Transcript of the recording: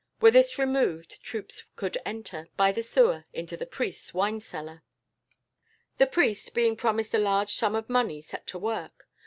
Were this removed, troops could enter, by the sewer, into the priest's wine cellar. "The priest, being promised a large sum of money, set to work.